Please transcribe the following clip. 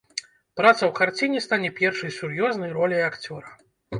Праца ў карціне стане першай сур'ёзнай роляй акцёра.